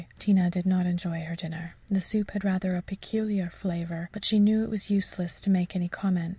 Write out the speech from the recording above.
Tina did not enjoy her dinner. The soup had rather a peculiar flavour, but she knew it was useless to make any comment.